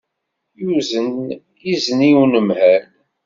Yuzen izen i unemhal.